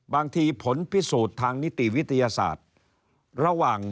บางทีผลพิสูจน์ทางนิติวิทยาศาสตร์